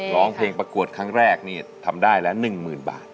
ร้องเพลงประกวดครั้งแรกนี่ทำได้ละ๑๐๐๐บาท